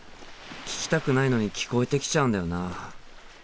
聞きたくないのに聞こえてきちゃうんだよな。